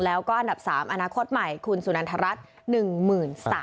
แล้วก็อันดับ๓อนาคตใหม่คุณสุนันทรัฐ๑๓๐๐